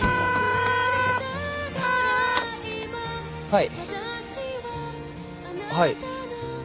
はいはい。